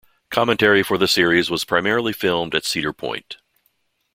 Commentary for the series was primarily filmed at Cedar Point.